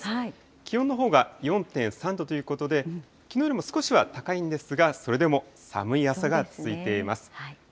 気温のほうが４．３度ということで、きのうよりも少しは高いんですが、それでも寒い朝が続いています。